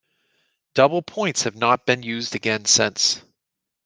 Double points have not been used again since.